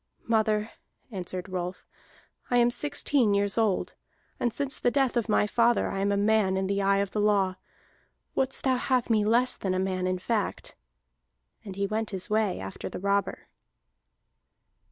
"Mother," answered Rolf, "I am sixteen years old, and since the death of my father I am a man in the eye of the law. Wouldst thou have me less than a man in fact?" And he went his way after the robber.